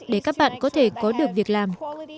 để các bạn có thể có được việc làm